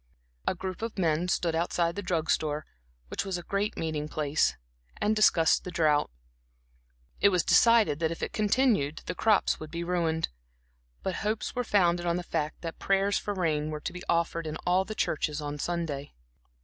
A group of men stood outside the drug store, which was a great meeting place, and discussed the drought. It was decided that if it continued the crops would be ruined; but hopes were founded on the fact that prayers for rain were to be offered in all the churches on Sunday.